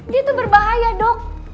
dia tuh berbahaya dok